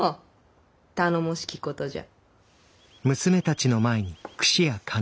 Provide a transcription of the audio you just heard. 頼もしきことじゃ。